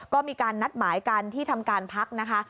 ก็มีการนัดหมายกันที่ทำการพักนะคะ